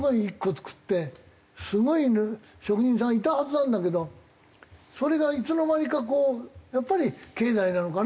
すごい職人さんがいたはずなんだけどそれがいつの間にかこうやっぱり経済なのかな？